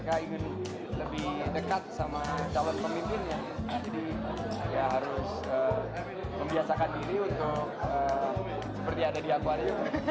jadi ya harus membiasakan diri untuk seperti ada di akwari